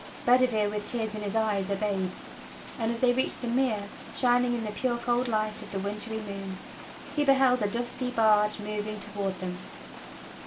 Bedivere, with tears in his eyes, obeyed; and as they reached the mere, shining in the pure cold light of the wintry moon, he beheld a dusky barge moving toward them.